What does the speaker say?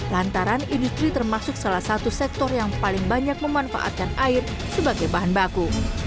lantaran industri termasuk salah satu sektor yang paling banyak memanfaatkan air sebagai bahan baku